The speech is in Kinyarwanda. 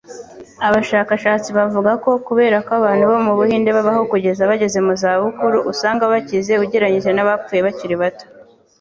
abashakashatsi bavuga ko, kubera ko abantu bo mu Buhinde babaho kugeza bageze mu za bukuru usanga bakize ugereranije n'abapfuye bakiri bato.